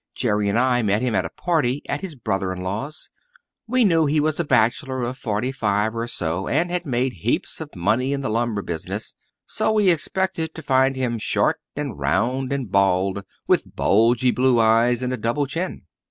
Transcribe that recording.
Jerry and I met him at a party at his brother in law's. We knew he was a bachelor of forty five or so and had made heaps of money in the lumber business, so we expected to find him short and round and bald, with bulgy blue eyes and a double chin.